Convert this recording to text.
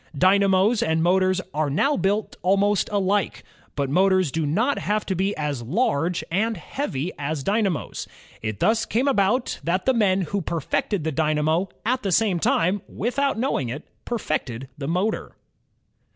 Dynamos and motors are now built almost alike, but motors do not have to be as large and heavy 84 INVENTIONS OF STEAM AND ELECTRIC POWER as dynamos. It thus came about that the men who per fected the dynamo, at the same time, without knowing it, perfected the motor.